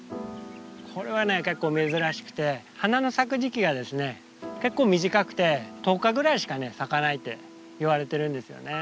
これは結構珍しくて花の咲く時期が結構短くて１０日ぐらいしか咲かないっていわれてるんですよね。